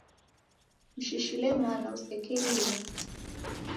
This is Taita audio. Mshishile mwana usekelila.